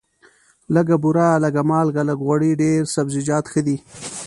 لږه بوره، لږه مالګه، لږ غوړي، ډېر سبزیجات ښه دي.